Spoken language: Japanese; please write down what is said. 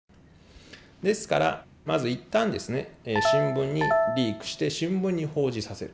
ですからまず一旦新聞にリークして新聞に報じさせる。